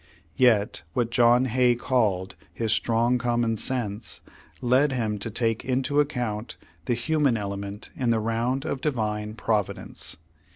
Yet what John Hay called his "strong common sense," lead him to take into account the human element in the round of Divine Providence.